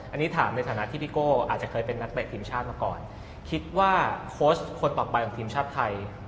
อันนี้ถามในฐานะที่พี่โก้อาจจะเคยเป็นนักเตะทีมชาติมาก่อนคิดว่าโค้ชคนต่อไปของทีมชาติไทย